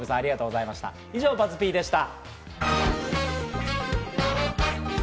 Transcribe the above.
以上、ＢＵＺＺ−Ｐでした。